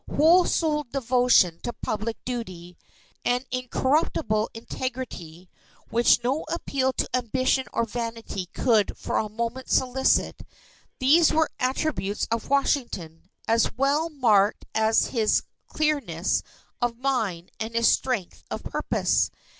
Whole souled devotion to public duty, an incorruptible integrity, which no appeal to ambition or vanity could for a moment solicit these were attributes of Washington, as well marked as his clearness of mind and his strength of purpose.